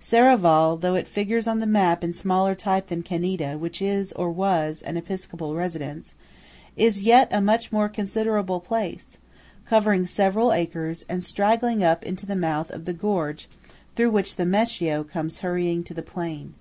Serravalle, though it figures on the map in smaller type than Ceneda which is, or was, an Episcopal residence, is yet a much more considerable place, covering several acres, and straggling up into the mouth of the gorge through which the Meschio comes hurrying to the plain.